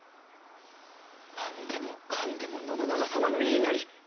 何でもかんでも信長様の言いなり。